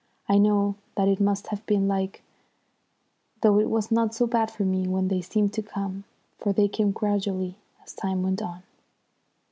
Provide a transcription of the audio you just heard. "I know what it must have been like, though it was not so bad for me when they seemed to come, for they came gradually as time went on."